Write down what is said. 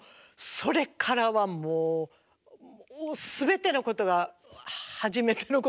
それからはもう全てのことが初めてのことで。